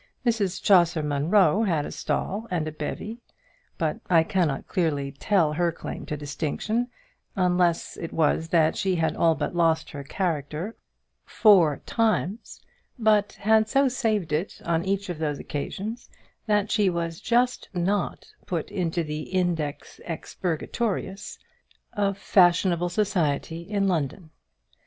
Mrs Chaucer Munro had a stall and a bevy; but I cannot clearly tell her claim to distinction, unless it was that she had all but lost her character four times, but had so saved it on each of those occasions that she was just not put into the Index Expurgatorius of fashionable society in London.